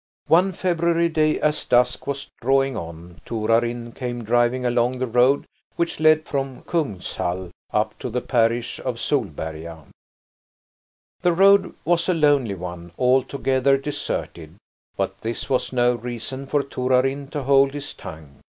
One February day, as dusk was drawing on, Torarin came driving along the road which led from Kungshall up to the parish of Solberga. The road was a lonely one, altogether deserted, but this was no reason for Torarin to hold his tongue.